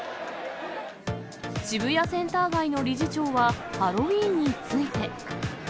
渋谷センター街の理事長は、ハロウィーンについて。